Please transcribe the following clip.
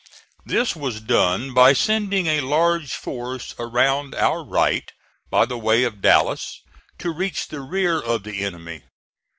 This was done by sending a large force around our right, by the way of Dallas, to reach the rear of the enemy.